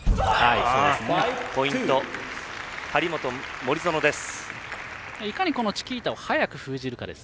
ポイント、張本、森薗です。